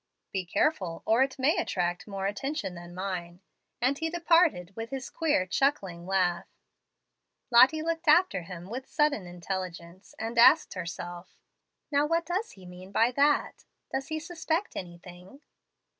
"Be careful, or it may attract more attention than mine"; and he departed with his queer chuckling laugh. Lottie looked after him with sudden intelligence, and asked herself, "Now what does he mean by that? Does he suspect anything?"